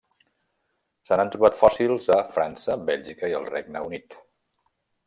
Se n'han trobat fòssils a França, Bèlgica i el Regne Unit.